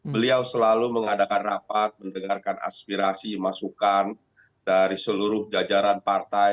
beliau selalu mengadakan rapat mendengarkan aspirasi masukan dari seluruh jajaran partai